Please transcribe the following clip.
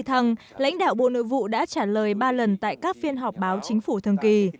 thăng lãnh đạo bộ nội vụ đã trả lời ba lần tại các phiên họp báo chính phủ thường kỳ